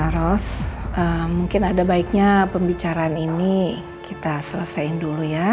terus mungkin ada baiknya pembicaraan ini kita selesaikan dulu ya